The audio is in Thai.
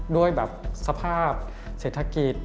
ด้วยแบบสภาพเศรษฐกิจ